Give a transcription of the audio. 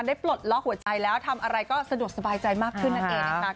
ปลดล็อกหัวใจแล้วทำอะไรก็สะดวกสบายใจมากขึ้นนั่นเองนะคะ